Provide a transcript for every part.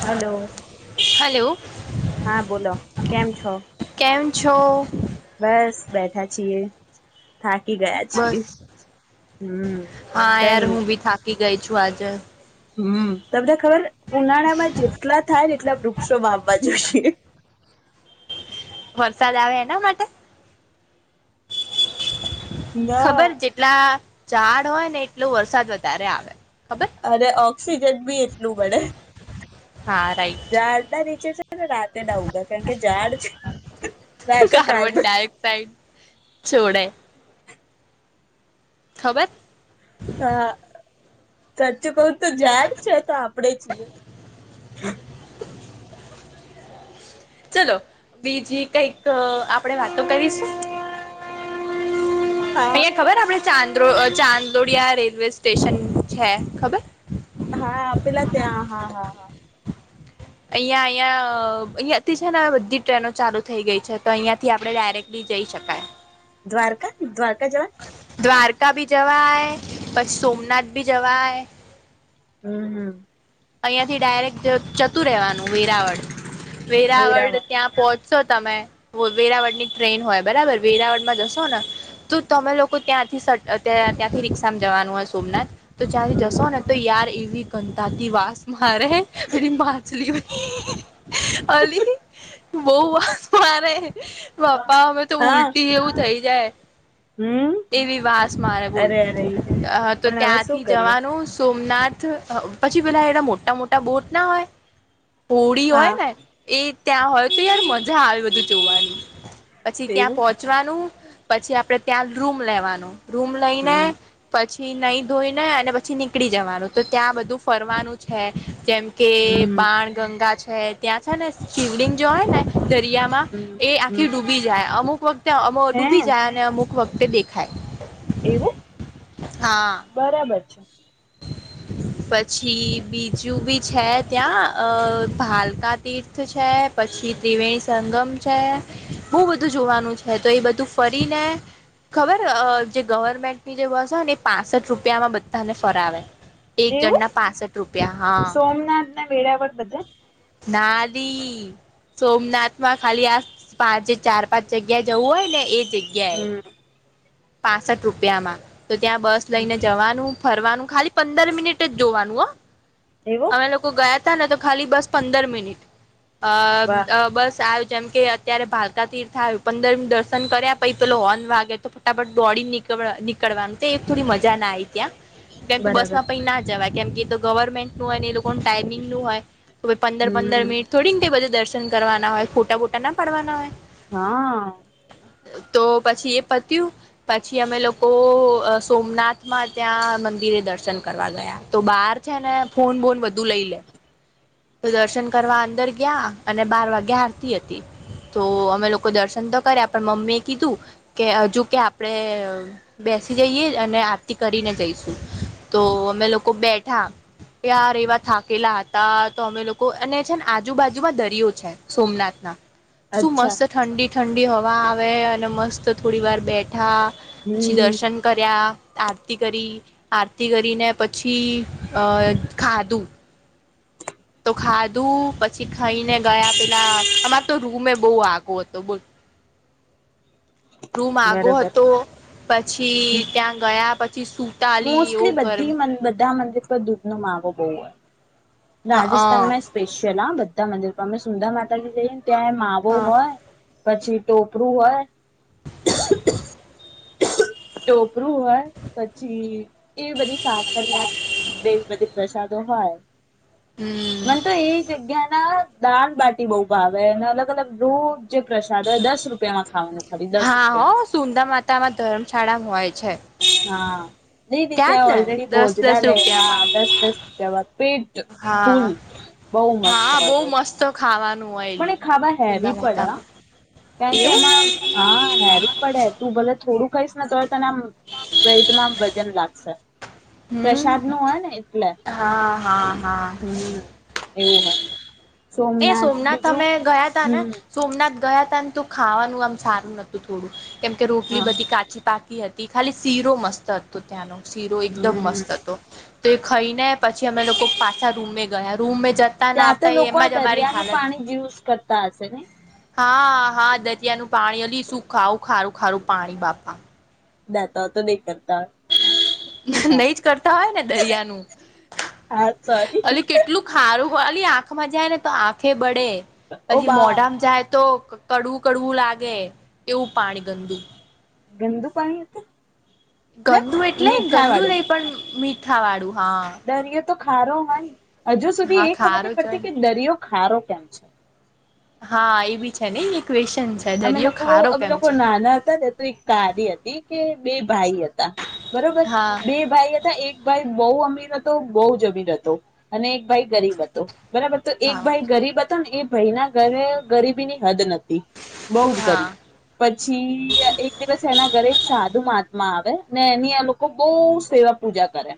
Hello hello હા બોલો કેમ છો છ બસ બેઠા છીએ થાકી ગયા છી બસ હમ હા કઈ યાર નહી હું બી થાકી ગઈ છું આજે તમને ખબર ઉનાળામાં જેટલા થાય એટલા વૃક્ષો માપવા જોઈ છે વરસાદ આવે એના માટે ના ખબર જેટલા ઝાડ હોય ને એટલો વરસાદ વધારે આવે ખબર અરે ઓક્સિજન બી એટલું મળડે હા રાઈટ ાર ના નીચે છે રાતે ડઉું કારણ કે ઝાડ રા તો કાઢ ચોડે થબત હા સાચચું ક તો જાયર છે તો આપડે છે ચલો બીજી કઈક આપણે વાતો કરીશું અહિયાં હા ખબર આપડે ચાંદ ચાંદોડિયા રેલવે સ્ટેશન છે ખબર હા પેલા ત્યાં હા હા અહિયાં અહિયાં અહિયાયાથી છે ને બધી ટ્રેનો ચાલુ થઈ ગઈ છે તો અહિયાયા થી આપણે ડાયરેક્ટલી જઈ શકાય દ્વારકા દ્વારકા જવાન દ્વારકા ભી જવાય પછ સોમનાથ બી જવાય હમ્મ-હમ્મ અહિયાં થી ડાયરેક્ટ જતું રેવાનું વેરાવળ.. વેરાવળ હીરામાં ત્યાં પહચ.. તો તમે વેરાવળ ની ટ્રેન હોય બરાબર વેરાવળમાં જશો ને તો તમે લોકો ત્યાંથી સ ત ત્યાંથી રિક્ષામાં જવાનું હોય સોમનાથ.. તો ચારે હમ જશો ને તો યાર ગતાથી વાત.. સ્સ્મા હારે એડી માછલીઓની અલી બહુ વાસ મારે.. બાપા અમે તો હા ઉલટી એવું થઈ જાય હમ એવી વાસ મારે અરે અરે બોલતી તો પણ હવે શું ત્યાંથી કરીએ જવાનું સો નાથ પછી પેલા એ.. એ મોટા મોટા બહુત ના હોય પૂળી હોય હા ને એ ત્યાં હોય તો યાર મજા આવે બધું જોવાની પછી ત્યાં એવું પહોંચવાનું પછી આપડણે ત્યાં રૂમ લેવાનું રૂમ લઈને હમ પછી થી નહી ધોઈ ને અને પછી નીકળી જવાનું તો ત્યાં બધું ફરવાનું છે કેમ કે હમ બાણ ગંગા છે. હ ત્યાં છે ને શિવલિંગ જો હોય ને સિયામાં હમ એ હમ આખી ડૂબી જાય અમુક વખતે હે ડૂબી જાય અને અમુક વખતે.. તે દેખાય.. એવું હા બરાબર છે. પછી બીજું બી છે ત્યાં અ ભાલકા તીર્થ છે પછી ત્રિવેણી સંગમ છે બહુ બધું જોવાનું છે તો એ બધું ફરીને ખબર જે ગવર્મેન્ટની જે બસ હોય ને એ પાસઠ રૂપિયામાં બધાને.. ફરાવે.. એક એવું જણના પાસઠ રૂપિયા હા સોમનાથ ના વેળાવળ બધા નાની સોમનાથમાં ખાલી આ પાંચે ચાર પાંચ જગ્યા જવું હોય ને એ.. જગ્યાય હમ પાસઠ રૂપિયા માં તો ત્યાં બસ લઈને જવાનું ફરવાનું ખાલી પંદર મિનિટ જ જોવાનું હો એવું અમે લોકો ગયા. તો ખાલી બસ પંદર મિનિટ વાહ અ બસ આલ જેમ કે અત્યારે ભારકા તીર્થ આવું પંદર દર્શન કર્યા પછી પે હોર્ન વાગે તો દોડી નીકળ નીકળવાનું તો એક થોડી મજા ના આવી ત્યાં કેમ કે બસ બરાબર માં પ ના જવા કેમ કે ગવર્મેન્ટ નું હોય એ લોકો ન ટાઈમિંગ નું હોય તો પંદ પંદર હમ મિટ થોડીકને બધ દશે કરવાના હોય ખોટા બોટા ના પાડવાના હોય હા તો પછી એ પી પછી અમે લોકો સોમનાથમાં ત્યાં મંદિરે દર્શન કરવા ગયા તો બહાર છે ને ફોન બોન બધું લઈ લે તો દર્શન કરવા અંદર ગયા અને બાર વાગ્યા હારતી હતી તો અમે લોકો દર્શન તો કર્યા પણ મમ્મી એ કીધું કે જોકે આપડણે બેસી જઈએ અને આરતી કરીને જઈશું તો અમે લોકો બેઠા યાર એવા થાકેલા હતા તો અમે લોકો અને છે ને આજુબાજુમાં દરિયો છે સોમનાથ ના સુું અચ્છા મસ્ત ઠંડી ઠંડી હવા આવે અને મસ્ત થોડી વાર બેટ ઉઠા પછી હમ દર્શન કર્યા. આરતી કરી, આરતી કરીને પછી અ ખાધું. તો ખાધું પછી ખાઈને ગયા પેલા અમારતો રૂમેય બહુ આગો હતો બોલ. રૂમ આગો બરોબર હતો, પછી ત્યાં ગયા પછી સુતાલી એવો મોસ્ટલી ગરમ બી મન બધા મં એટલો દુધ નો માવો બહુ હોય. હ હ રાજસ્થાનમાં સ્પેશિયલ આ બધા તા મંદિર પણ અમે સુંધા માતાજી જઈએને ત્યાં માવો હોય પછી ટોપરું હોય [inaudible] ટોપરું હોય પછી એવી બધી સાકરિયા એવી બધી પ્રસાદો હોય. હમ મને તો એ જગ્યા ના દાળ બાટી બવ ભાવે અને અલગ અલગ રોજે પ્રસાદ હોય દસ રૂપિયામાં ખાવાનું. ખરી દસ હા હો રૂપિયામાં સુંદા માતામાં ધર્મશાળા હોય છે. હા. દીર જ ત્યાં ને ઓલરેડી દસ દસ ભોજનાલય હા રૂપિયામાં દસ દસ રૂપિયા બાદ પેટ ફૂલ હા બહુ મસ્ત હા બહુ હો મસ્ત ખાવાનું હોય પણ એ એલી ખાવા સુંદા હેવી પડે માતામાં કારણ કે એવું એમાં હા હેવી પડે તું ભલે થોડું ખઈશ ને તો તને આમ પેટમાં વજન લાગશે હમ પ્રસાદ નું હોય ને એટલે હા હા હા હમ એવું હોય એ સોમનાથ અમે ગયા તા ને હમ સોમનાથ ગયા ખાવાનું આમ સારું નહતું થોડું કેમ કે રોટલી હા બધી કાચી પાકી હતી તે ખાલી શીરો મસ્ત હત ત્યાંનો શીરો એકદમ હમ મસ્ત હતો તો એ ખાઈ ને પછી અમે લોકો પાછા રૂમે ગયા રૂમ જતા ના આવતા એમમાં જ દરિયા ન પાણી યુઝ કરતા હશે ને હા હા દરિયાનુંું પાણી અલી શું ખાવ ખારું ખારું પાણી બાપા દતા તો કરતા હોય નઈ જ કરતા હોય ને દરિયાનું હા સોરી અને કેટલું ખારું વાલી આંખમાં જાય ને તો આંખે બ એ ઓ પછી બા મોઢામાં જાય તો કડવું કડવું લાગે એવું પાણી ગંદુ. ગંદુ પાણી એ તો. ગંદુ એટલે ગંદુ નહી પણ મીઠ થા વાળું. હા દરિયો તો ખારો હોય હજુ સુધી હા એ ખબર ખારો નહી જ હોય પડતી કે ને દરિયો ખારો કેમ છે? હા એ બી છે ને એ ક્વેશ અમે લોકો અમે લોકો નાના હતા ને તો એક તારી હતી કે બે ભાઈ હતા બરોબર હા બે ભાઈ હતા એક ભાઈ બહુ અમીર હતો, બહુ જમીર હતો અને એક ભાઈ ગરીબ હતો બરાબર તો એક હા ભાઈ ગરીબ હતો ને એ ભાઈ ના ઘરે ગરીબી ની હદ નતી. બહું જ હા કરી પછી એક દિવસ એના ઘરે સાધુ મા માં આવે ને એની આ લોકો બહુ સેવા પૂજા કરે.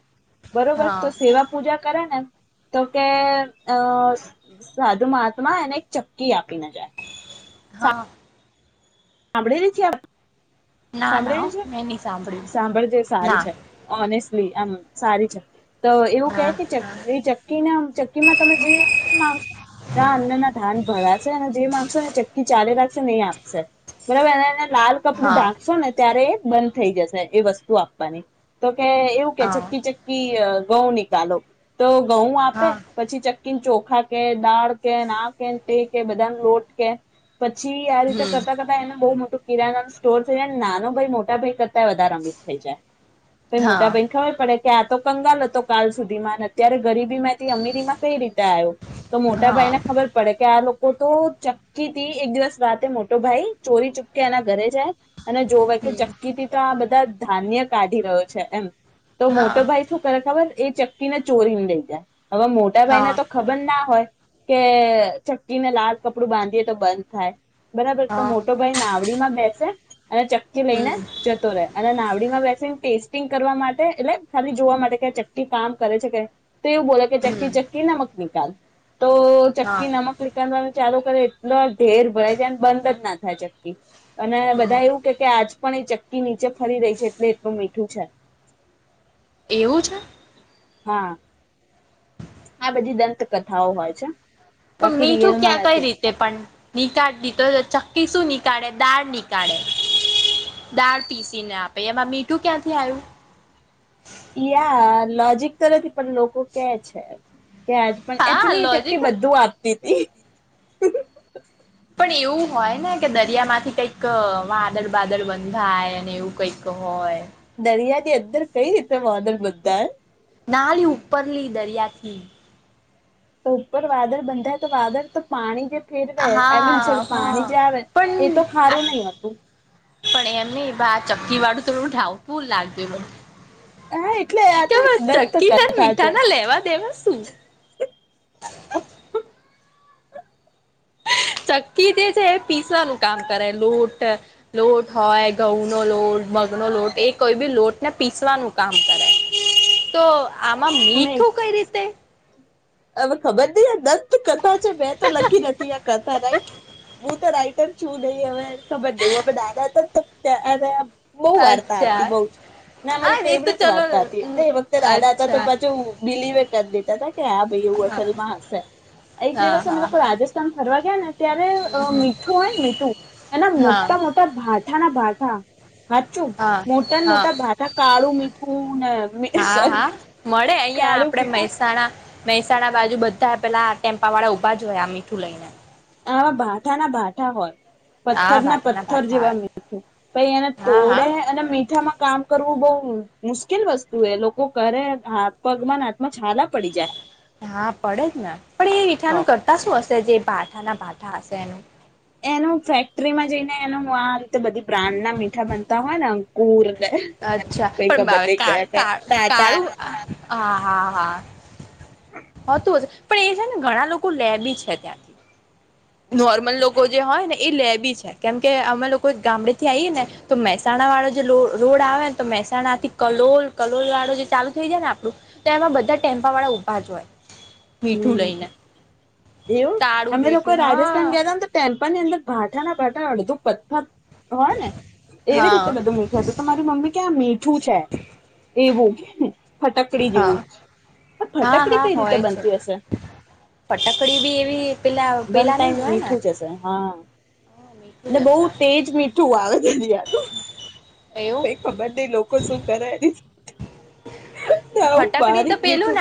બરોબર હા તો સેવા પૂજા કરે ને તો કે અ સાધુ મહાત્મા એને એક ચક્કી આપીને જાય. હા. હામભડેલી છે આ વાર્તા? ના ના હો સાંભળેલી છે, મેં નહી સાંભળ્યું સાંભળ જે સારી ના છે અને ભઈ આમ સારી છે. તો એવું કે હા કે ચક એ ચક્કીના ચક્કીમાં તમે જે માંગ રા અન્ન ના ધાન ભરાશે અને જે માંગશો ને ચક્કી ચાલી રાખશે ને એ આપશે. બરાબર ને. લાલ કપડું હા ઢાકશો ને ત્યારે બંધ થઈ જશે એ વસ્તુ આપવાની તો કે એવું કે હા ચક્કી ચક્કી અ ગઉં નિકાલો તો ઘઉં આપે હા પછી ચ કે ચોખા કે દાળ કે આ કે તે કે બદામ લોટ કે પછી આ રીતે હમ કરતા કરતા એને બહુ મોટું કિરાના સ્ટોર થઈ જાય ને નાનો ભાઈ મોટા ભાઈ કરતાય વધારે અમીર થઈ જાય. પ મોટા હા ભઈને ખબર પડે. આ તો કંગાલ હતો કાલ સુધીમાં ને અત્યારે ગરીબી માંથી અમીરીમાં કઈ રીતે આવ્યો તો મોટા હા ભાઈ ને ખબર પડે કે આ લોકો તો ચક્કીથી એક દિવસ રાતે મોટી તો ભાઈ ચોરી ચૂપકે એના ઘરે જાય. અને જોવે કે હમ ચક્કીથી તો આ બધા ધાન્ય કાઢી રહ્યો છે એમ. તો હા મોટો ભાઈ શું કરે ખબર. એ ચક્કીને ચોરીને લઈ જાય. હવે મોટા ભાઈને હા તો ખબર ના હોય. કે ચક્કીને લાલ કપડું બાંધીએ તો બંધ થાય. બરાબર તો હા મોટો ભાઈ નાવડી માં બેસે. અને ચક્કી લઈને હમ જતો રહે અને નાવડીમાં બેસી ટેસ્ટ ટીંગ કરવા માટે એટલે ખાલી જોવા માટે કે ચક્કી કામ કરે છે કે તો એવુ બોલો કે ચક્કી હમ ચક્કી નમક નિકાલ. તો હા ચક્કી નમક વિકના. ચાલુ કરે એટલો ઢેર ભરાય જાય. બંધ જ ના થાય ચકકી. અને બધા હમ એવું કે આજ. પણ એ ચક્કી નીચે ફરી રહી છે એટલે એટલું મીઠું છે. એવું છે હા. આ બધી દંતકથાઓ હોય છે. પણ બાકી મીઠું રિયલમાં ક્યાં કઈ નથી રીતે પણ નીકાળ દી તો ચક્કી શું ની. કાળે દાળ નીકળે દાળ પીસીને આપે એમાં મીઠું ક્યાંથી આવ્યું. યા લોજિક તો નથી પણ લોકો કે છે. ત્યાંજ પણ હા એચુલી લોજિક ચકકી બધું આપે. સ્. [inaudible] પણ એવું હોય ને. દરિયા માંથી કંઈક. વાદળ બાદળ બંધાય અને એવું કઈક હોય. દરિયા ની અંદર કઈ રીતના વાદલ બધા. નાળી ઉપરલી દરિયા થી. તો ઉપર વાદળ બનતાય તો વાદળ તો પાણી જે. ફેરવે આઈ મીન સોરી હા પાણી જે આવે એ તો ખારું નહી હતું પણ એમ ની ચક્કી વાળું. તોું ાઉટુ લાગ મને. હા એટલે આ [unintelligible] તો એક કેવા દંત ચક્કી ના કથા મીઠા છે ના લેવા દેવા શું. ચક્કી જે છે એ પીસવાનું કામ કરે લોટ હોય ઘઉં નો લોટ મગનોો લોટ એ કોઈ બી લોટને પીસવાનું કામ કરે તો. આમાં અમે મીઠું કઈ રીતે હવે ખબર નથી લખદસ કથા છે મેં તો લખી નથી આ કરતા રાઈટ હું તો રાઈટ ત છું નહી હવે ખબર ન હ દાદા હતા ત ત્યાર બઉ વાર્તા અચ્છા આપતી બઉ ને હા મારી એ તો ફેવરેટ ચલો વાર્તા હતી એ વખતે દાદા હતા તો અચ્છા પાછું બિલીવે કરી દેતા હતા કે હા લમાં હ એક હા દિવસ અમે હા લોકો રાજસ્થાન ફરવા ગયા ને ત્યારે મીઠું હોય ને મીઠું એના હા મોટા મોટા ભાઠાના ભથા- હાું હા મોટા ને હા મોટા ગાટા કાળું મીઠુંને હા સોરી હા મળે અહિયાં કાળું આપડે મીઠું મહેસાણા મહેસાણા બાજુ બધા પેલા ટેમ્પા વાળા ઉઊભા જ હોય આ મીઠું લઈને હવા ભાઠા ના ભાઠા હોય હા પથ્થર ના ભાઠા પથ્થર ભાઠા જેવા આવે. મીઠું પ એને હા તોડે હા અને મીઠામાં કામ કરવું બહ મુશ્કેલ વસ્તુ એ લોકો કરે હાથ પગમાં ના હા પડે જ ને પણ એ તો મીઠાનું કરતા શું હશે જે પાઠાના પાઠા હશે એનું. એનું ફેક્ટરીમાં જઈ ને એનું આ રીતે બધી પ્રાણ ના મીઠા બનતા હો હા નાં કુર અચ્છા પણ ભવે કા કયા કા તાતા કાળું હા હા હા. હતું જ પણ એ છે ને ઘણા લોકો લેબી છે ત્યાંથી નોર્મલ લોકો જે હોય ને એ લેબી છે કેમ કે અમે લોકો ગામડે થી આવીઈએ ને તો મહેસાણા વાળો જે રોડ આવે ને તો મહેસાણા થી કલોલ કલોલ વાળો જે ચાલુ થઈ જાય ને આપણું તો એમાં બધા ટેમ્પા વાળા ઊભા જ હોય. મીઠું હમ લઈને એવું તાળું અમે તો મીઠું કોઈ રાજસ્થાન હા ગયા હતા ત પલ ની અંદર ભાટાના ભાટા અડધો પત્થર હોય ને એવી રીતે હા બધું મીઠું હતું તો મારી મમ્મી ક્યાં મીઠું છે એવું હ. ફટકડી જેવું હા આ ફટકડી કઈ રીતે બન પટાકડી ભી એવી પેલા વન પેલા ની ટાઈમ જ હોય ને મીઠું જ હશે હા. હા, મીઠું ને જ બહુ હશે તેજ મીઠું આવે છેજી આનું એવું કઈ ખબર નઈ લોકો શું કરે આવું ફટકડી બારીક મીઠું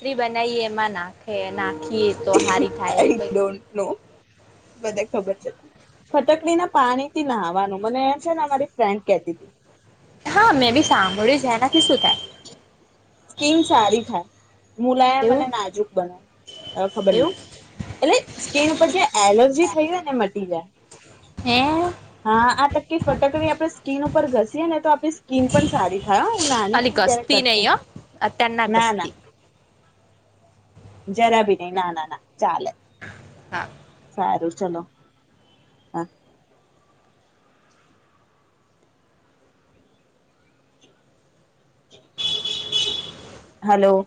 ત બનાવી એમાં નાખે ના ીએ તો હારી થાય એવું કઈક. બધુ ખબર છે ફટકડીના પાણીથી નાહાવાનું મને છે ને મારી ફ્રેન્ડ કેતી હતી. હા મેં બી સાંભળ્યું છે એનાથી શું થાય? સ્કીન સારી થાય, મુલાય એવું મને નાજુક બને, ખબર નહી, એવું એટલે સ્કીન પર જે એલર્જી થઈ હોય ને મટી જાય. હે હા આ તકનીક ફટકડી આપણી સ્કીન ઉપર ઘસીએ ને તો આપણી સ્કીન પણ સારી થાય હું નાની ત્યારે કરતી હતી. અત્યાર ના ગસ્તી. જરા બી નહી ના ના ના ચાલે. હા. હારુ ચલો, હા. [inaudible] હલો.